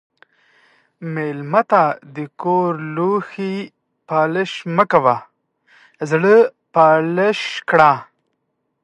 مېلمه ته د کور لوښي پالش مه کوه، زړه پالش کړه.